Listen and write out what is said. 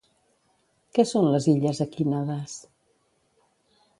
Què són les illes Equínades?